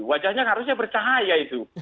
wajahnya harusnya bercahaya itu